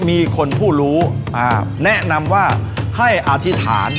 มีคนผู้รู้แนะนำว่าให้อธิษฐาน